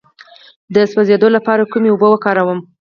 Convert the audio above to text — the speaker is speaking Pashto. د سوځیدو لپاره کومې اوبه وکاروم؟